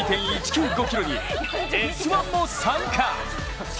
ｋｍに「Ｓ☆１」も参加！